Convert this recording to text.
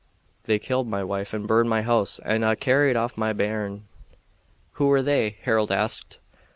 They killed my wife and burned my house and ha' carried off my bairn." "Who were they?" Harold asked.